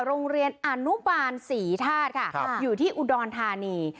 โรงเรียนอนุบาลศรีธาตุค่ะอยู่ที่อุดรธานี